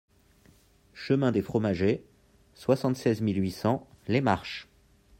Chemin des Fromagets, soixante-treize mille huit cents Les Marches